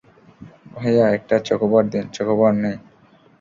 ভাইয়া, একটা চকোবার দিন, - চকোবার নেই।